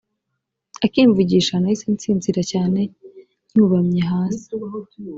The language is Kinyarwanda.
akimvugisha nahise nsinzira cyane ncyubamye hasi